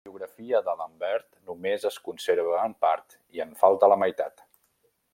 La biografia de Lambert només es conserva en part i en falta la meitat.